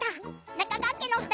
中川家のお二人